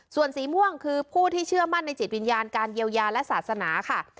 ส่วนสีม่วงคือผู้ที่เชื่อมั่นในจิตวิญญาณการเยียวยาและศาสนาค่ะ